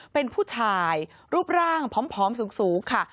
เป็นผู้ชายรูปร่างผอมสูงค่ะ